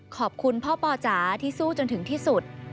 ขอบคุณพ่อปอจ๋าที่สู้จนถึงที่สุด